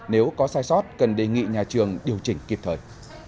nếu có sai sót cần đề nghị nhà trường điều chỉnh kịp thời